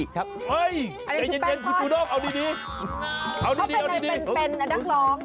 จุครุด้องคุณต้องรู้จัก